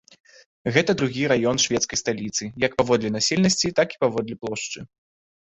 Гэта другі раён шведскай сталіцы як паводле населенасці, так і паводле плошчы.